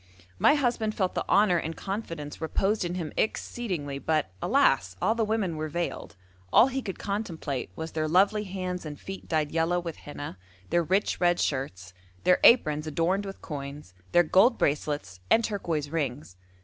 My husband felt the honour and confidence reposed in him exceedingly, but, alas! all the women were veiled; all he could contemplate was their lovely hands and feet dyed yellow with henna, their rich red shirts, their aprons adorned with coins, their gold bracelets and turquoise rings.